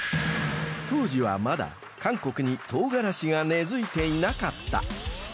［当時はまだ韓国に唐辛子が根付いていなかった］